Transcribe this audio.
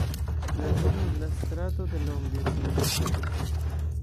La zumo de la strato delonge silentiĝis.